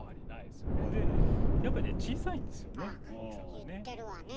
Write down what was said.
でやっぱりね小さいんですよね大きさがね。